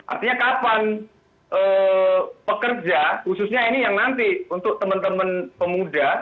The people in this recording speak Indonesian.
artinya kapan pekerja khususnya ini yang nanti untuk teman teman pemuda